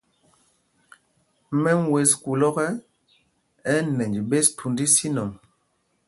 Mɛm wes kūl ɔ́kɛ, ɛ́ ɛ́ nɛnj ɓes thūnd ísínɔŋ.